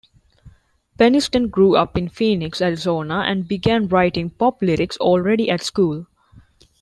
Peniston grew up in Phoenix, Arizona and began writing pop lyrics already at school.